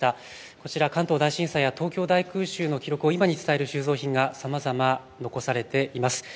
こちら、関東大震災や東京大空襲の記録を今に伝える所蔵品がさまざま残されています。